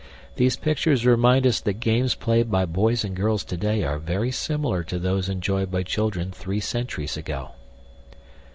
These pictures remind us that games played by boys and girls today are very similar to those enjoyed by children three centuries ago.